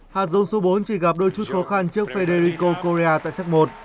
hạt giống số bốn chỉ gặp đôi chút khó khăn trước federico correa tại sách một